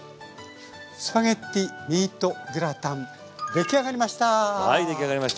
スパゲッティミートグラタン出来上がりました！